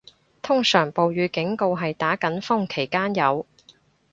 通常暴雨警告係打緊風期間有